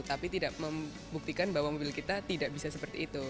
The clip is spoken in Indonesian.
tapi tidak membuktikan bahwa mobil kita tidak bisa seperti itu